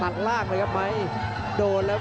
อันนี้พยายามจะเน้นข้างซ้ายนะครับ